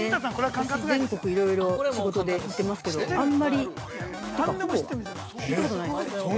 私、全国、いろいろ仕事で行ってますけどあんまりというかほぼ聞いたことないですね。